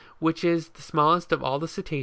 which is the smallest of all the Cetac?